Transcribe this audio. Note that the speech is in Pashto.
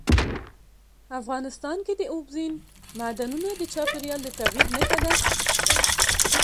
افغانستان کې اوبزین معدنونه د چاپېریال د تغیر نښه ده.